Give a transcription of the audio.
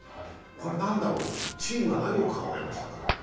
これ何だろう、チームは何を考えました？